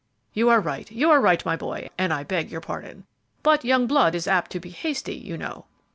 "You are right, you are right, my boy, and I beg your pardon; but young blood is apt to be hasty, you know."